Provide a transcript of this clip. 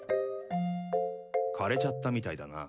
枯れちゃったみたいだな。